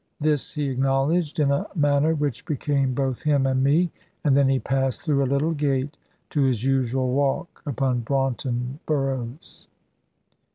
This he acknowledged in a manner which became both him and me; and then he passed through a little gate to his usual walk upon Braunton Burrows.